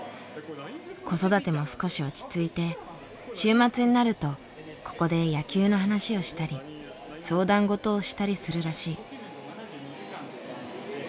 子育ても少し落ち着いて週末になるとここで野球の話をしたり相談事をしたりするらしい。